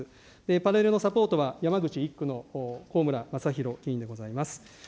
パネルのサポートは山口１区の高村正大委員でございます。